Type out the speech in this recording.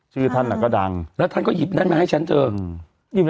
ชื่อท่านอ่ะก็ดังแล้วท่านก็หยิบนั่นมาให้ฉันเธออืม